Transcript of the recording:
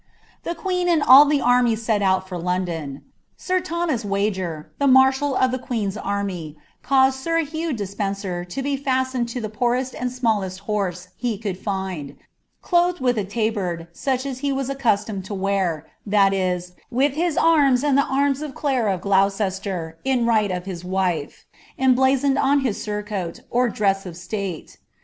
The queen and all the army set out for London. Sir Thomas Wager, the marshal of the queen's army, caused Sir Hugh Despencer to be fast ened OD the poorest and smallest horse he could find, clothed with a tabard, such as he was accustomed to wear, that is, with his arms, and the arms of Clare of Gloucester, in right of his wife, emblazoned on his sorcoat, or dress of state.